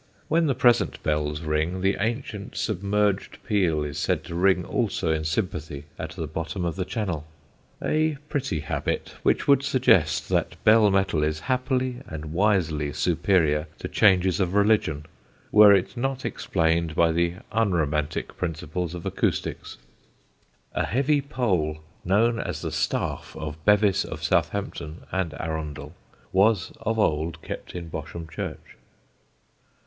When the present bells ring, the ancient submerged peal is said to ring also in sympathy at the bottom of the Channel a pretty habit, which would suggest that bell metal is happily and wisely superior to changes of religion, were it not explained by the unromantic principles of acoustics. A heavy pole, known as the staff of Bevis of Southampton (and Arundel), was of old kept in Bosham church.